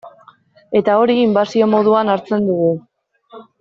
Eta hori inbasio moduan hartzen dugu.